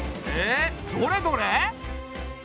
どれどれ。